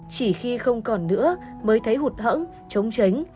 chỉ khi không còn nữa mới thấy hụt hẫng chống tránh